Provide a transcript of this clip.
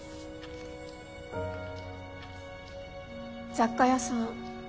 雑貨屋さん